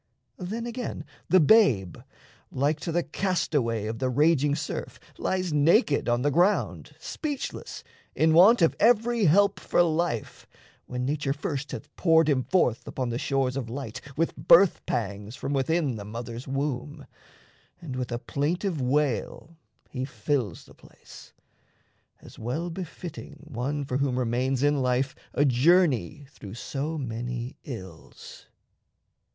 Then, again, the babe, Like to the castaway of the raging surf, Lies naked on the ground, speechless, in want Of every help for life, when nature first Hath poured him forth upon the shores of light With birth pangs from within the mother's womb, And with a plaintive wail he fills the place, As well befitting one for whom remains In life a journey through so many ills.